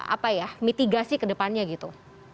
apa ya mitigasi kedepannya gitu